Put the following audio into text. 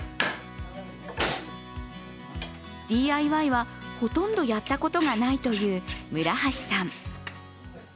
ＤＩＹはほとんどやったことがないという村橋さん。